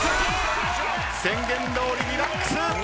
宣言どおりリラックス。